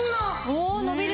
おお伸びる。